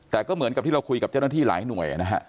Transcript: แต่ก็เหมือนกับที่เราคุยกับเจ้าหน้าที่หลายหน่วยนะฮะ